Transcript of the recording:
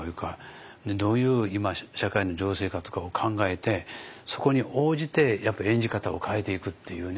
でどういう今社会の情勢かとかを考えてそこに応じてやっぱり演じ方を変えていくっていうね。